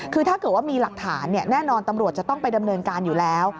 คือถ้าเกิดว่ามีหลักฐานแน่นอนตำรวจจะต้องไปดำเนินการอยู่แล้ว